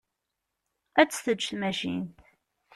Ad tt-teǧǧ tmacint.